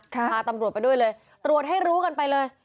พาตำรวจไปด้วยเลยตรวจให้รู้กันไปเลย